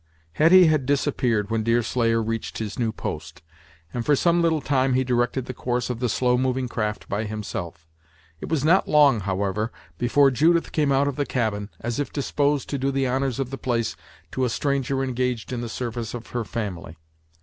Hetty had disappeared when Deerslayer reached his new post, and for some little time he directed the course of the slow moving craft by himself. It was not long, however, before Judith came out of the cabin, as if disposed to do the honors of the place to a stranger engaged in the service of her family.